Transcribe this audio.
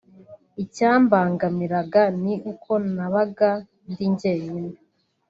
icyambangamiraga ni uko nabaga ndi njyenyine